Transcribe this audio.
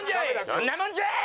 どんなもんじゃい！